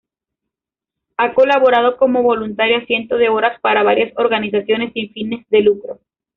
Ha colaborado como voluntaria cientos de horas para varias organizaciones sin fines de lucro.